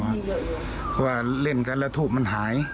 เพราะว่าเล่นกันแล้วทูบมันหาย